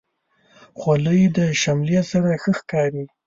خولۍ د شملې سره ښه ښکاري.